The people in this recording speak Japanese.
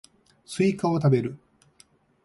スイカを食べる